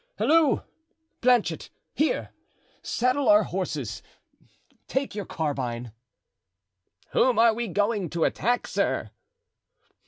Halloo! Planchet! here! saddle our horses, take your carbine." "Whom are we going to attack, sir?"